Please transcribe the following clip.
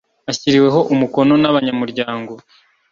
ashyiriweho umukono n abanyamuryango